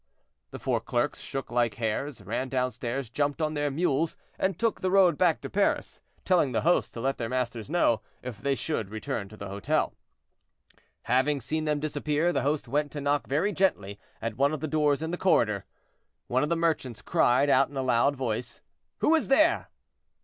The four clerks shook like hares, ran downstairs, jumped on their mules, and took the road back to Paris, telling the host to let their masters know, if they should return to the hotel. Having seen them disappear, the host went to knock very gently at one of the doors in the corridor. One of the merchants cried out in a loud voice, "Who is there?"